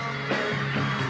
bagaimana menurut anda